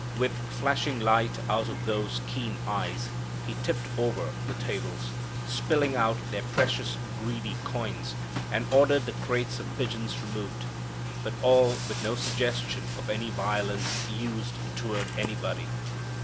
With flashing light out of those keen eyes, He tipped over the tables, spilling out their precious greedy coins, and ordered the crates of pigeons removed. But all with no suggestion of any violence used toward anybody.